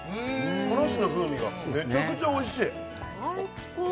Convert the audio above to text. からしの風味がめちゃくちゃおいしい最高！